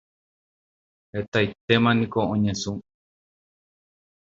Hetaitémaniko oñesũ.